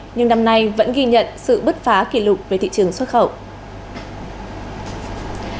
nhưng năm nay vẫn ghi nhận sự bứt phá kỷ lục về thị trường xuất khẩu